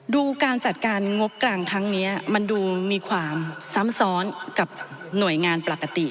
ดูการจัดการงบกลางครั้งนี้มันดูมีความซ้ำซ้อนกับหน่วยงานปกติ